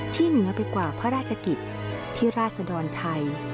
ที่เหนือไปกว่าพระราชกิจที่ราชสะดอนไทย